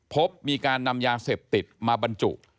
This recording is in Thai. พบมีการนำยาเสพติดมาบรรจุ